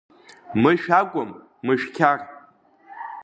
Мышә акәым, Мышәқьар!